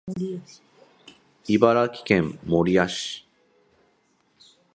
茨城県守谷市